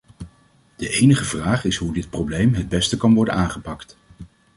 De enige vraag is hoe dit probleem het beste kan worden aangepakt.